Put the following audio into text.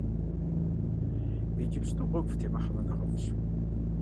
Иджыпсту гъуэгу фытемыхьэмэ нэхъыфӀщ!